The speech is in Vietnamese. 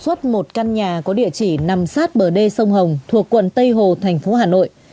xuất một căn nhà có địa chỉ nằm sát bờ đê sông hồng thuộc quận tây hồ thành phố hà nội